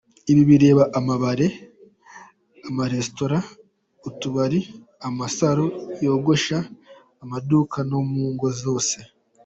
Ibi bireba amabare, amarestora, utubari, amasaro yogosha, amaduka, no mu ngo zose.